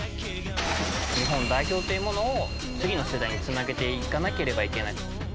日本代表というものを次の世代につなげていかなければいけないと。